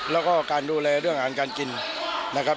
แล้วก็การดูแลเรื่องอาหารการกินนะครับ